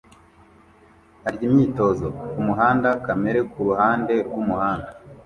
a ryimyitozo kumuhanda kamere kuruhande rwumuhanda